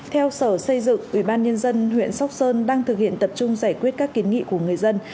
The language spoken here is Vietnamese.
theo sở xây dựng ủy ban nhân dân huyện sóc sơn đang thực hiện tập trung giải quyết các kiến nghị của người dân